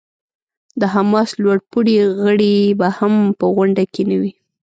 د حماس لوړ پوړي غړي به هم په غونډه کې نه وي.